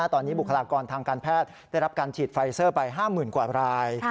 ตอนนี้บุคลากรทางการแพทย์ได้รับการฉีดไฟเซอร์ไป๕๐๐๐กว่าราย